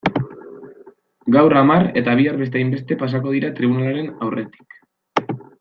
Gaur hamar eta bihar beste hainbeste pasako dira tribunalaren aurretik.